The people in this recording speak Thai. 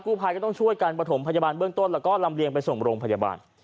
ภายก็ต้องช่วยกันประถมพยาบาลเบื้องต้นแล้วก็ลำเลียงไปส่งโรงพยาบาล